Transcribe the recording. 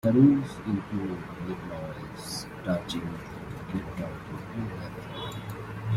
The rules include "make noise," "touch anything," "get dirty," and "have fun".